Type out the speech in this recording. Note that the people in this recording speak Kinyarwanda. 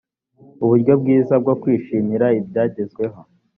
uburyo bwiza bwo kwishimira ibyagezweho